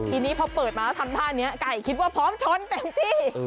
ทีนี้พอเปิดมาแล้วทำท่านี้ไก่คิดว่าพร้อมชนเต็มที่